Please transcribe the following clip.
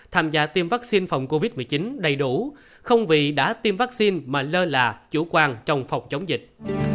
tham gia tiêm vaccine phòng covid một mươi chín đầy đủ không vì đã tiêm vaccine mà lơ là chủ quan trong phòng chống dịch